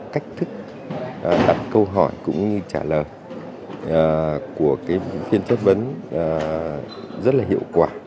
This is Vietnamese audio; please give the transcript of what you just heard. cách thức đặt câu hỏi cũng như trả lời của phiên chất vấn rất là hiệu quả